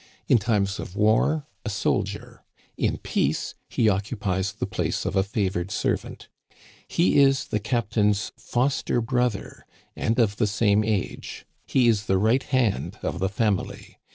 In times of war, a soldier ; in peace, he occupies the place of a favored servant. He is the captain's foster brother and of the same age. He is the right hand of the family.